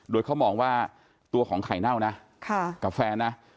โดยเขามองว่าตัวของไข่เน่านะกับแฟนนะ